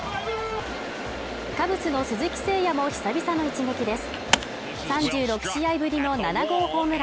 カブスの鈴木誠也も久々の一撃です。